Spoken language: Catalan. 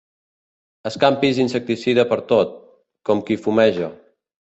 Escampis insecticida pertot, com qui fumeja.